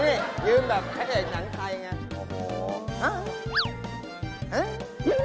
นี่ยืนแบบแข่งหนังไทยอย่างนั้น